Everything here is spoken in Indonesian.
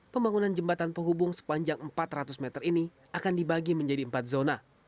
pembangunan jembatan penghubung sepanjang empat ratus meter ini akan dibagi menjadi empat zona